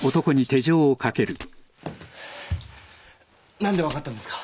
何で分かったんですか？